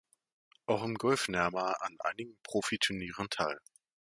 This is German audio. Auch im Golf nahm er an einigen Profiturnieren teil.